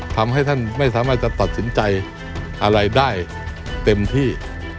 ทำให้ท่านไม่สามารถจะตัดสินใจอะไรได้เต็มที่